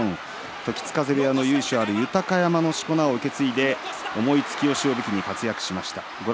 時津風部屋の由緒ある豊山のしこ名を継いで重い腰を武器に活躍しました。